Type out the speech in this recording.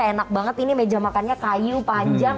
enak banget ini meja makannya kayu panjang